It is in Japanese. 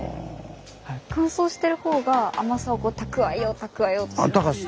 乾燥してるほうが甘さを蓄えよう蓄えようとする。